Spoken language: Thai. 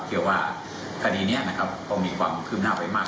เชื่อว่าคดีนี้ก็มีความคืมหน้าไปมาก